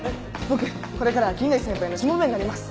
僕これからは金田一先輩のしもべになります。